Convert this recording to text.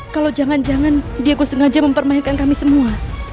kalau jangan jangan diego sengaja mempermainkan kami semua